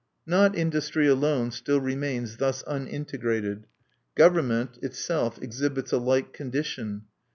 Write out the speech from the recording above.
Not industry alone still remains thus unintegrated; government itself exhibits a like condition.